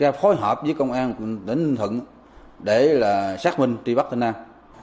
phối hợp với công an ninh thuận để xác minh tri bắt tên nam